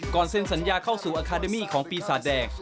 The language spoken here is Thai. เซ็นสัญญาเข้าสู่อาคาเดมี่ของปีศาจแดง